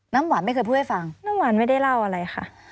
น้ำหวานไม่เคยพูดให้ฟังน้ำหวานไม่ได้เล่าอะไรค่ะ